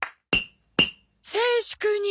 静粛に。